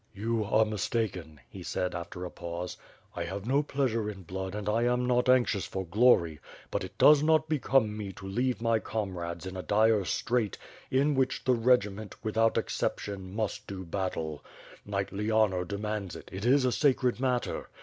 "You are mistaken," he said, after a pause, "I have no pleasure in blood and I am not anxious for glory, but it does not ])ecome me to leave my comrades in a dire strait, in which the regiment, without exception, must do battle. Knightly honor demands it; it is a sacred matter.